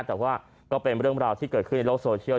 แต่ว่าก็เป็นเรื่องราวที่เกิดขึ้นในโลกโซเชียล